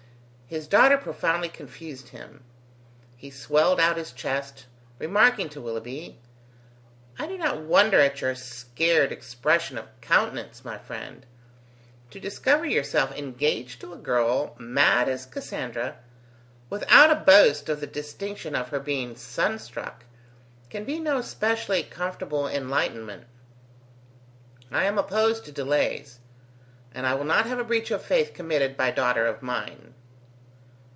His daughter profoundly confused him. He swelled out his chest, remarking to Willoughby: "I do not wonder at your scared expression of countenance, my friend. To discover yourself engaged to a girl mad as Cassandra, without a boast of the distinction of her being sun struck, can be no specially comfortable enlightenment. I am opposed to delays, and I will not have a breach of faith committed by daughter of mine."